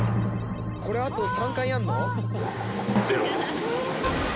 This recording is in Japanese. これあと３回やんの？